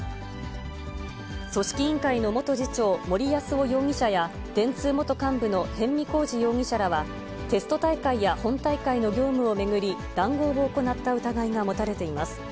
組織委員会の元次長、森泰夫容疑者や、電通元幹部の逸見晃治容疑者らは、テスト大会や本大会の業務を巡り、談合を行った疑いが持たれています。